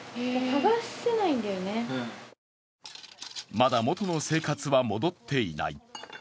まだ元の生活は戻っていない。